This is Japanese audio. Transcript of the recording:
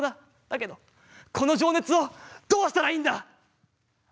だけど、この情熱をどうしたらいいんだ！